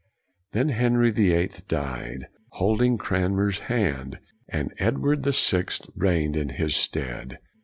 Then Henry the Eighth died, holding Cranmer's hand, and Edward the Sixth reigned in his stead.